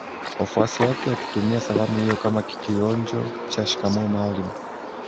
Wafuasi wake wakitumia salamu hiyo kama kionjo chao Shikamoo Maalim